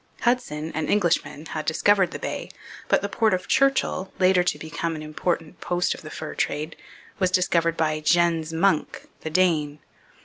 Hudson, an Englishman, had discovered the Bay, but the port of Churchill, later to become an important post of the fur trade, was discovered by Jens Munck, the Dane.